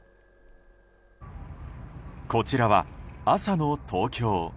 こちらは朝の東京。